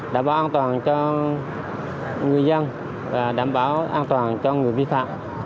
đảm bảo an toàn cho người dân và đảm bảo an toàn cho người vi phạm